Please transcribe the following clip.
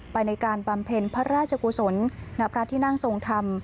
ไปในการบำเพ็ญพระราชกุศลณพระที่นั่งทรงธรรม